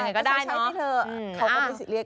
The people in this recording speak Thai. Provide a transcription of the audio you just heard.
ถ้าใช้ที่เธอเขาก็ไม่ซีเรียส